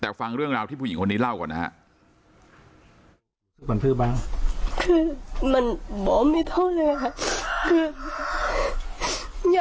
แต่ฟังเรื่องราวที่ผู้หญิงคนนี้เล่าก่อนนะครับ